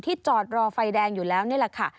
จอดรอไฟแดงอยู่แล้วนี่แหละค่ะ